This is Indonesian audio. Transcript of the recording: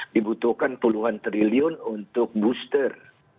dibutuhkan puluhan triliun untuk booster